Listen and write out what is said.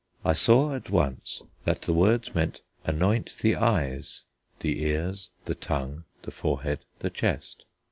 I saw at once that the words meant anoint the eyes, the ears, the tongue, the forehead, the chest.